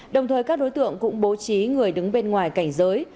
đồng thời các đối tượng cũng bố trí người đứng bên ngoài cảnh giới